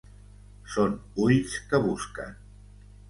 Són ulls que busquen.